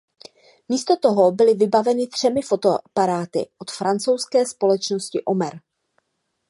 Místo toho byly vybaveny třemi fotoaparáty od francouzské společnosti Omer.